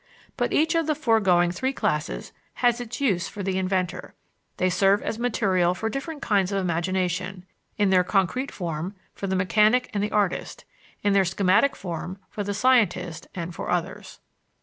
But each of the foregoing three classes has its use for the inventor. They serve as material for different kinds of imagination in their concrete form, for the mechanic and the artist; in their schematic form, for the scientist and for others.